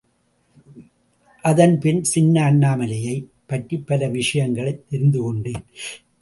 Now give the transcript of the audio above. அதன் பின் சின்ன அண்ணாமலையைப் பற்றிப் பல விஷயங்களைத் தெரிந்து கொண்டேன்.